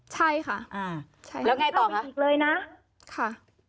ใช่ค่ะอ่าแล้วไงต่อค่ะเลยน่ะค่ะ